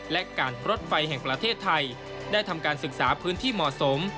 และการรถไฟแห่งประเทศไทยได้ทำการศึกษาพื้นที่เหมาะสม